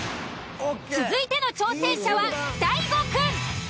続いての挑戦者は大悟くん。